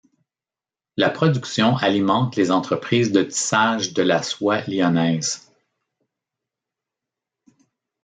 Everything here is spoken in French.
La production alimente les entreprises de tissage de la soie lyonnaises.